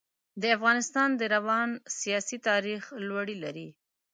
د افغانستان د روان سیاسي تاریخ لوړې لري.